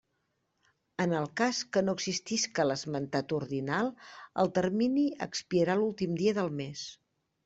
En el cas que no existisca l'esmentat ordinal, el termini expirarà l'últim dia del mes.